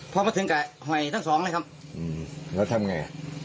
พอมาถึงก็ห่อยทั้งสองเลยครับแล้วทำไง